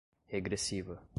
regressiva